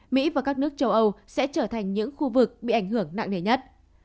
mỹ và các nước châu âu sẽ trở thành những khu vực bị ảnh hưởng nặng nề nhất